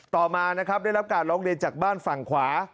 ต่อมานะครับได้รับการร้องเรียนจากบ้านฝั่งขวา